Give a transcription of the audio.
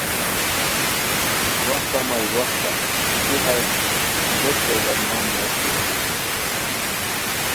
وختہ مائی وختہ ای دیہا لوٹ دولت مند موش بیرائے